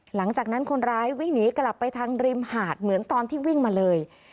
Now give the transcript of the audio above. หลังจากนั้นคนร้ายวิ่งหนีกลับไปทางริมหาดเหมือนตอนที่วิ่งมาเลย